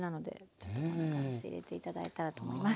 ちょっとこんな感じで入れて頂いたらと思います。